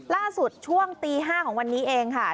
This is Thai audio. ล่าสุดช่วงตี๕ของวันนี้เองค่ะ